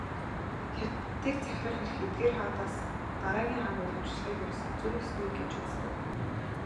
Хятадыг захирах эрх эдгээр хаадаас дараагийн хаанд уламжлахыг "зүй ёсны" гэж үздэг.